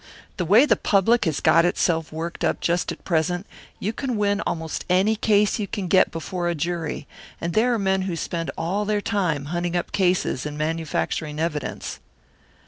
The way the public has got itself worked up just at present, you can win almost any case you can get before a jury, and there are men who spend all their time hunting up cases and manufacturing evidence."